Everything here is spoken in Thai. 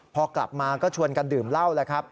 พอกลับมาก็ชวนกันดื่มเหล้า